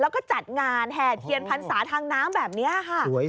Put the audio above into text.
แล้วก็จัดงานแห่เทียนพรรษาทางน้ำแบบนี้ค่ะ